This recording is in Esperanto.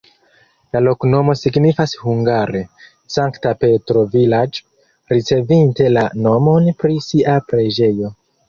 La loknomo signifas hungare: Sankta Petro-vilaĝ', ricevinte la nomon pri sia preĝejo.